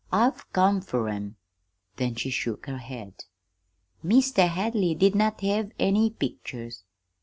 I've come fer 'em.' "Then she shook her head. "'Meester Hadley did not have any pictures.'